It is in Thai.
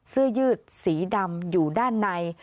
เสื้อยืดสีดำอยู่ด้านใน